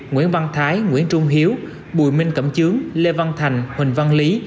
nguyễn văn thái nguyễn trung hiếu bùi minh cẩm trướng lê văn thành huỳnh văn lý